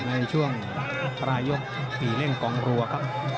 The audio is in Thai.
ในช่วงปลายกปีเร่งกองรัวครับ